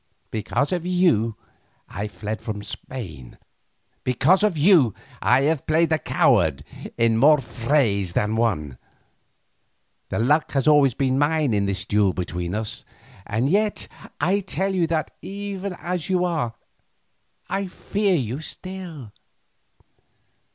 Because of you I fled from Spain, because of you I have played the coward in more frays than one. The luck has always been mine in this duel between us, and yet I tell you that even as you are, I fear you still.